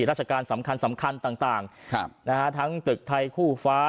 ราชการสำคัญต่างทั้งตึกไทยคู่ฟ้า